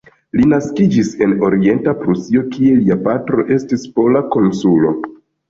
Li naskiĝis en Orienta Prusio, kie lia patro estis pola konsulo.